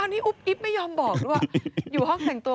มีความว่ายังไง